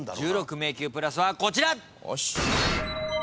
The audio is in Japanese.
１６迷宮プラスはこちら！